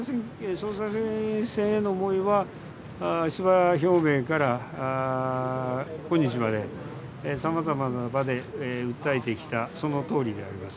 総裁選への思いは出馬表明から本日までさまざまな場で訴えてきた、そのとおりであります。